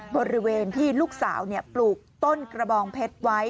บริเวณที่ลูกสาวปลูกต้นกระบองเพชรไว้